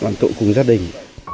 quản tụ cùng gia đình